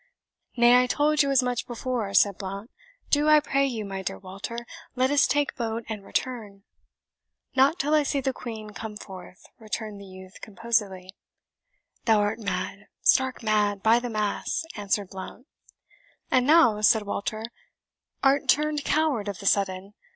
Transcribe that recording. "Nay, I told you as much before," said Blount; "do, I pray you, my dear Walter, let us take boat and return." "Not till I see the Queen come forth," returned the youth composedly. "Thou art mad, stark mad, by the Mass!" answered Blount. "And thou," said Walter, "art turned coward of the sudden.